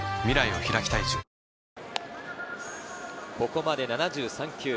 ここまで７３球。